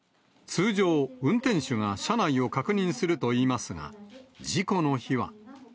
通常、運転手が車内を確認するといいますが、事故の日は。